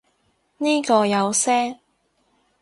呢個有聲